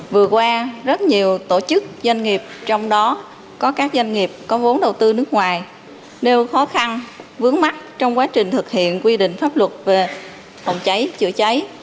vừa qua rất nhiều tổ chức doanh nghiệp trong đó có các doanh nghiệp có vốn đầu tư nước ngoài nêu khó khăn vướng mắt trong quá trình thực hiện quy định pháp luật về phòng cháy chữa cháy